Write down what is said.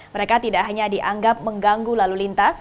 mereka tidak hanya dianggap mengganggu lalu lintas